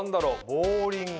ボウリング？